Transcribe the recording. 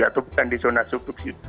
atau bukan di zona subduksi